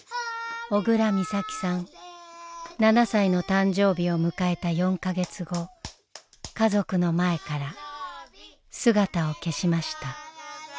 ７歳の誕生日を迎えた４か月後家族の前から姿を消しました。